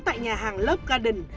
tại nhà hàng love garden